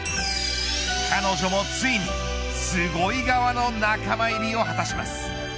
彼女もついにすごい側の仲間入りを果たします。